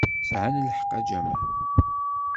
Sɛan lḥeqq, a Jamal.